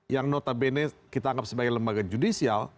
yang notabene kita anggap sebagai lembaga judicial